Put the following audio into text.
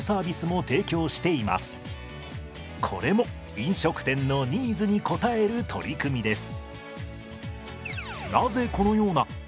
これも飲食店のニーズに応える取り組みです。